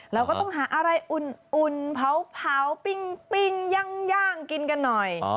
เราก็ต้องหาอะไรอุ่นเผาปิ้งย่างกินกันหน่อย